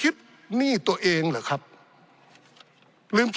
ปี๑เกณฑ์ทหารแสน๒